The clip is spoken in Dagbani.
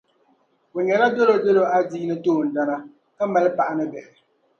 O nyɛla dolodolo adiini toondana ka mali paɣa ni bihi.